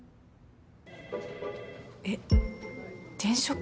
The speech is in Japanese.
えっ転職？